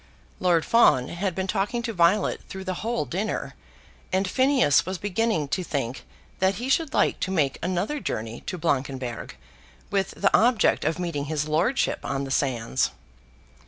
Lord Fawn had been talking to Violet through the whole dinner, and Phineas was beginning to think that he should like to make another journey to Blankenberg, with the object of meeting his lordship on the sands.